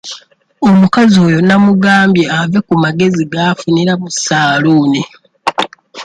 Omukazi oyo namugambye ave ku magezi g'afunira mu ssaaluuni.